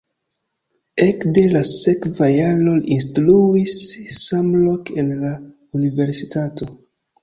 Ekde la sekva jaro li instruis samloke en la universitato.